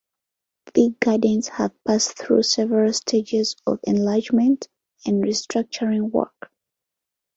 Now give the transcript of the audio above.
The gardens have passed through several stages of enlargement and restructuring work.